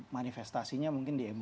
manifestasinya mungkin di emo